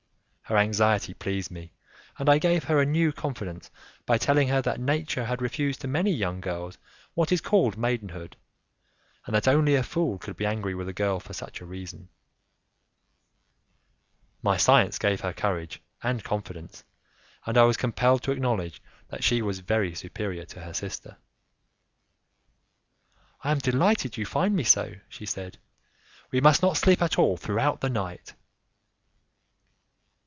Her anxiety pleased me, and I gave her a new confidence by telling her that nature had refused to many young girls what is called maidenhood, and that only a fool could be angry with a girl for such a reason. My science gave her courage and confidence, and I was compelled to acknowledge that she was very superior to her sister. "I am delighted you find me so," she said; "we must not sleep at all throughout the night."